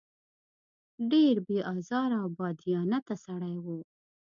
ډېر بې آزاره او بادیانته سړی و.